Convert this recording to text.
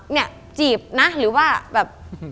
เนี่ยจีบนะหรือว่าแบบ